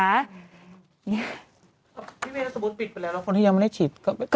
พี่เว้ยถ้าสมมุติปิดไปแล้วแล้วคนที่ยังไม่ได้ฉีดก็เป็นวัคละ